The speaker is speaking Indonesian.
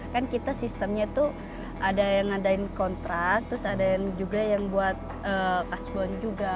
kan kita sistemnya tuh ada yang ngadain kontrak terus ada yang juga yang buat kasbon juga